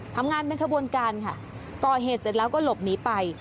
ทำงานเป็นขบวนการค่ะก่อเหตุเสร็จแล้วก็หลบหนีไป